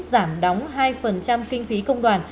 giảm đóng hai kinh phí công đoàn